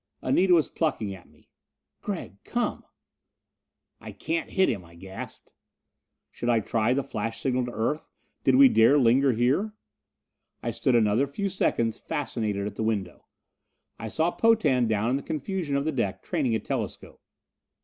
Anita was plucking at me. "Gregg, come." "I can't hit him!" I gasped. Should I try the flash signal to Earth? Did we dare linger here? I stood another few seconds fascinated at the window. I saw Potan down in the confusion of the deck, training a telescope.